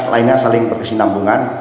lainnya saling berkesinambungan